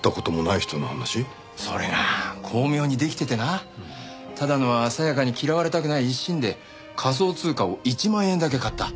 それが巧妙にできててな多田野はさやかに嫌われたくない一心で仮想通貨を１万円だけ買った。